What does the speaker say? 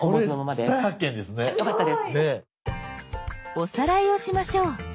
おさらいをしましょう。